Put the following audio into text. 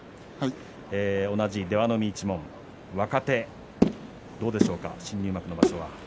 同じ出羽海一門、若手どうでしょうか新入幕の場所は。